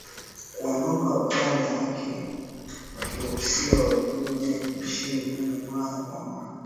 Kuondoka badala yake wakiruhusiwa waingie nchini humo mara kwa mara.